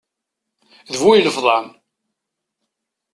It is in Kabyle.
D bu ilefḍan!